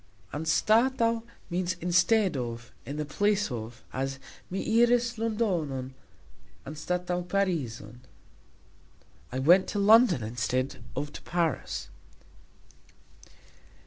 "Anstataux" means "instead of, in the place" of, as "Mi iris Londonon anstataux Parizon", I went to London instead of to Paris.